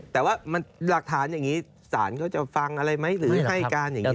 แต่ว่ามันหลักฐานอย่างงี้ศาลก็จะฟังอะไรไม๊หรือให้การอย่างงี้ได้ไหม